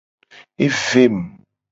Evem.